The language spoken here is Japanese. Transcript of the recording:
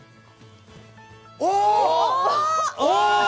お。